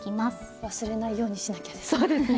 忘れないようにしなきゃですね。